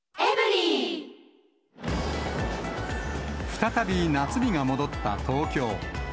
再び夏日が戻った東京。